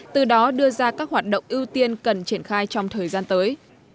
từ đó đưa ra các hoạt động ưu tiên cần triển khai trong thời gian tới